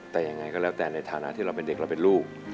แต่ยังไงก็แล้วแต่ในฐานะที่เราเป็นเด็กเราเป็นลูก